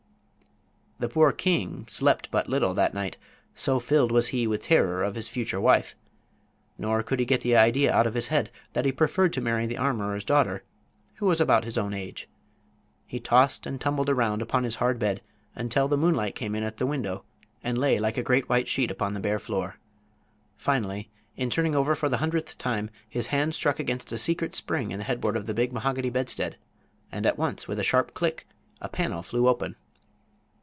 The poor king slept but little that night, so filled was he with terror of his future wife. Nor could he get the idea out of his head that he preferred to marry the armorer's daughter, who was about his own age. He tossed and tumbled around upon his hard bed until the moonlight came in at the window and lay like a great white sheet upon the bare floor. Finally, in turning over for the hundredth time, his hand struck against a secret spring in the headboard of the big mahogany bedstead, and at once, with a sharp click, a panel flew open.